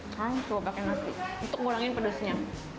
sekarang coba pakai nasi untuk ngurangin pedasnya